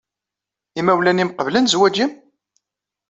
Imawlan-nnem qeblen zzwaj-nnem?